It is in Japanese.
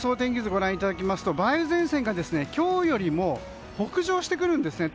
ご覧いただきますと梅雨前線が今日よりも北上してくるんですね。